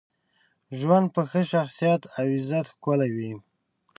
ژوند په ښه شخصیت او عزت ښکلی وي.